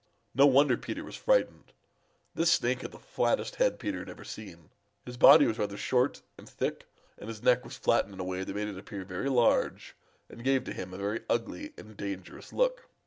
No wonder Peter was frightened. This Snake had the flattest head Peter ever had seen. His body was rather short and thick, and his neck was flattened in a way that made it appear very large and gave to him a very ugly and dangerous look.